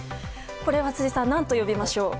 これは辻さん何と呼びましょう？